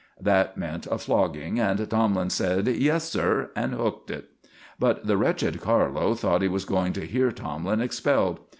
That meant a flogging, and Tomlin said, "Yes, sir," and hooked it; but the wretched Carlo thought he was going to hear Tomlin expelled.